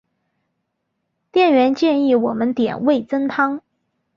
店员建议我们点味噌汤